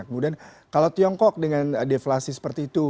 kemudian kalau tiongkok dengan deflasi seperti itu